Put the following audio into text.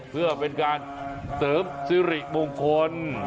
เพื่อเป็นการเสริมสิริมงคล